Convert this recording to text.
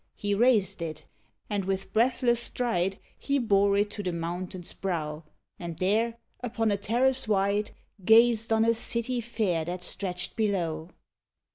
He raised it, and, with breathless stride, He bore it to the mountain's brow, And there, upon a terrace wide, Gazed on a city fair that stretched below.